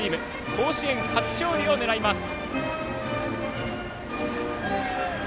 甲子園初勝利を狙います。